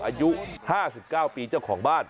อายุ๕๙ปีเจ้าของบ้าน